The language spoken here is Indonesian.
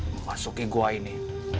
memasuki gua ini